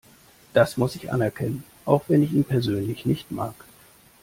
Das muss ich anerkennen, auch wenn ich ihn persönlich nicht mag.